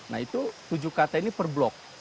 nah itu tujuh kata ini per blok